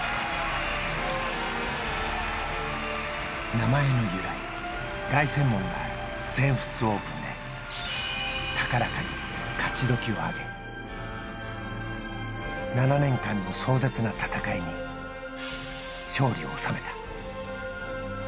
名前の由来、凱旋門がある全仏オープンで、高らかに勝ちどきをあげ、７年間の壮絶な闘いに勝利を収めた。